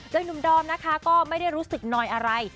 โดยหนุ่มดอมนะคะก็ไม่ได้รู้สึกนอยอะไร